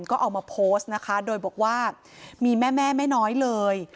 ก็เอามาโพสต์นะคะโดยบอกว่ามีแม่ไม่น้อยเลย